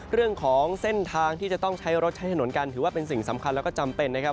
เรื่องของเส้นทางที่จะต้องใช้รถใช้ถนนกันถือว่าเป็นสิ่งสำคัญแล้วก็จำเป็นนะครับ